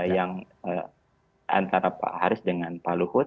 yang antara pak haris dengan pak luhut